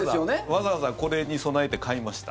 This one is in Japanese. わざわざこれに備えて買いました。